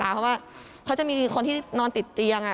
เพราะว่าเขาจะมีคนที่นอนติดเตียง